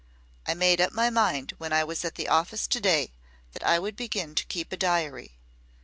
I made up my mind when I was at the office to day that I would begin to keep a diary.